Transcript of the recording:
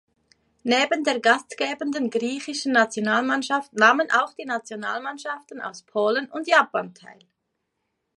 Neben der gastgebenden Griechischen Nationalmannschaft nahmen auch die Nationalmannschaften aus Polen und Japan teil.